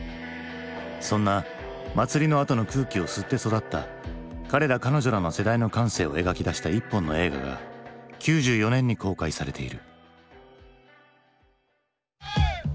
そんな祭りのあとの空気を吸って育った彼ら彼女らの世代の感性を描き出した一本の映画が９４年に公開されている。